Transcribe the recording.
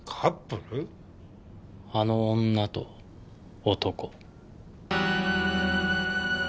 あの女と男。